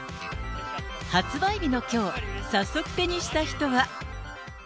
発売日のきょう、早速手にした人は。